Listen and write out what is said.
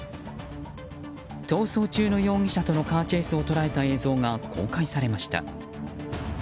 逃走中の容疑者とのカーチェイスを捉えた映像が公開されました。